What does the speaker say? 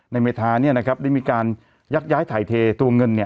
ในเมธานี่นะครับได้มีการยักษ์ย้ายถ่ายเทตัวเงินเนี่ย